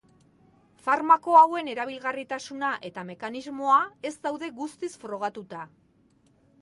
Farmako hauen erabilgarritasuna eta mekanismoa ez daude guztiz frogatuta.